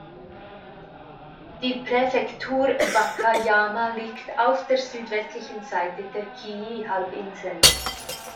Die Präfektur Wakayama liegt auf der südwestlichen Seite der Kii-Halbinsel.